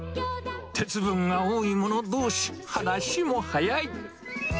鉄分が多い者どうし、話も早い。